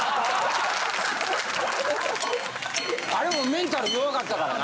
あれもメンタル弱かったからな。